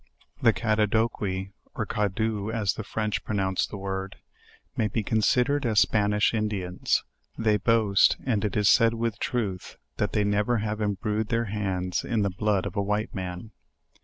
The Cadadoquis (or Oadoux as the French pronounce the word) may be considered as Spanish Indians; they boast; and it is said with truth that they never have imbrued their hands in the blood of a white man.